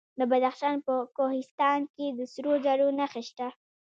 د بدخشان په کوهستان کې د سرو زرو نښې شته.